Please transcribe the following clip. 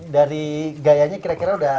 dari gayanya kira kira udah